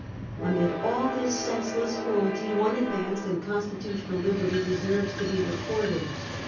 Amid all this senseless cruelty one advance in consti tutional liberty deserves to be recorded.